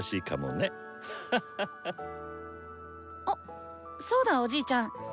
あっそうだおじいちゃん。